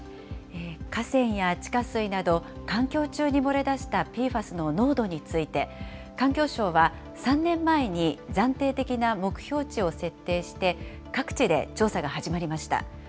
河川や地下水など環境中に漏れ出したＰＦＡＳの濃度について、環境省は３年前に暫定的な目標値を設定して、各地で調査が始まりました。